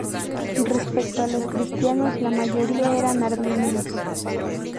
Respecto a los cristianos, la mayoría eran armenios.